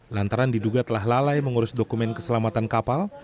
lantaran diduga telah lalai mengurus dokumen keselamatan kapal